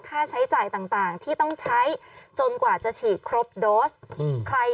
ค่าใช้จ่ายต่างที่ต้องใช้จนกว่าจะฉีดครบโดสใคร